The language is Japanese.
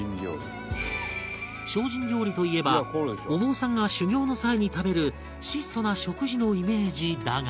精進料理といえばお坊さんが修行の際に食べる質素な食事のイメージだが